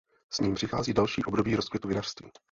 S ním přichází další období rozkvětu vinařství.